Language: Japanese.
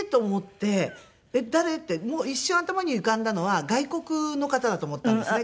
一瞬頭に浮かんだのは外国の方だと思ったんですね。